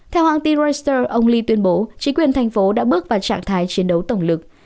theo hãng tin resuer ông lee tuyên bố chính quyền thành phố đã bước vào trạng thái chiến đấu tổng lực